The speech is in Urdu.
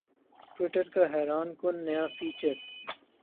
ٹویٹر کا حیران کن نیا فیچر